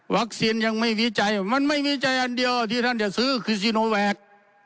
ยังไม่มีใจมันไม่มีใจอันเดียวที่ท่านจะซื้อคือซีโนแวค